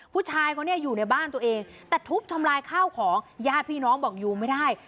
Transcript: ผู้ชายคนนี้อยู่ในบ้านตัวเองแต่ทุบทำลายข้าวของญาติพี่น้องบอกอยู่ไม่ได้